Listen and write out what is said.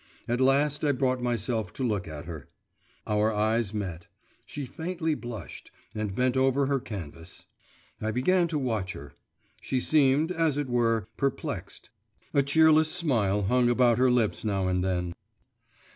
At last I brought myself to look at her. Our eyes met.… She faintly blushed, and bent over her canvas. I began to watch her. She seemed, as it were, perplexed; a cheerless smile hung about her lips now and then.